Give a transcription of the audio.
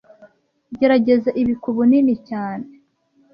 Gerageza ibi kubunini cyane